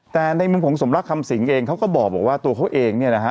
แต่ในมุมของสมรักคำสิงเองเขาก็บอกว่าตัวเขาเองเนี่ยนะฮะ